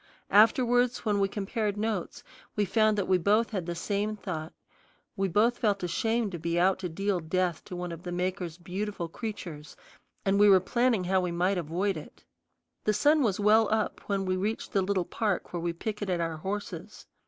Afterwards, when we compared notes, we found that we both had the same thought: we both felt ashamed to be out to deal death to one of the Maker's beautiful creatures, and we were planning how we might avoid it. The sun was well up when we reached the little park where we picketed our horses.